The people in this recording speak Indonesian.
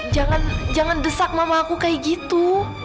jangan jangan desak mamaku kayak gitu